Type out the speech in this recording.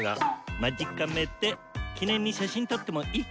魔ジカメで記念に写真撮ってもいい？